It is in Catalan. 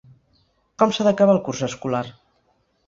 Com s’ha d’acabar el curs escolar?